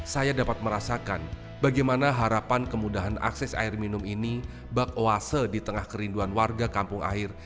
saya dapat merasakan bagaimana harapan kemudahan akses air minum ini bak oase di tengah kerinduan warga kampung air